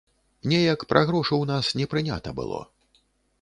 Неяк пра грошы ў нас не прынята было.